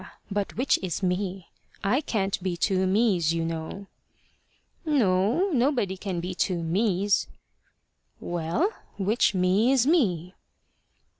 but which is me? I can't be two mes, you know." "No. Nobody can be two mes." "Well, which me is me?"